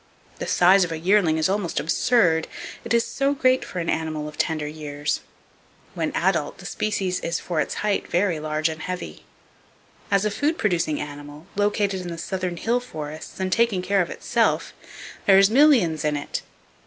The size of a yearling is almost absurd, it is so great for an animal of tender years. When adult, the species is for its height very large and heavy. As a food producing animal, located in the southern hill forests and taking care of itself, "there's millions in it!"